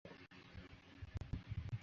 皮库伊是巴西帕拉伊巴州的一个市镇。